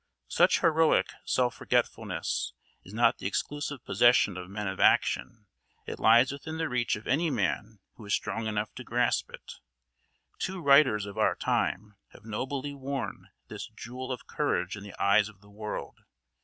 Such heroic self forgetfulness is not the exclusive possession of men of action; it lies within the reach of any man who is strong enough to grasp it. Two writers of our time have nobly worn this jewel of courage in the eyes of the world.